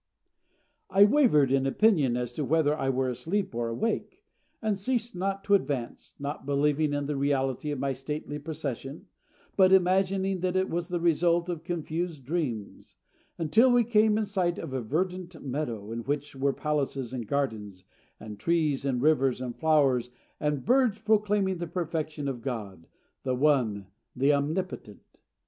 I wavered in opinion as to whether I were asleep or awake, and ceased not to advance, not believing in the reality of my stately procession, but imagining that it was the result of confused dreams, until we came in sight of a verdant meadow, in which were palaces and gardens, and trees and rivers and flowers, and birds proclaiming the perfection of God, the One, the Omnipotent.